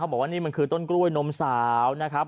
บอกว่านี่มันคือต้นกล้วยนมสาวนะครับ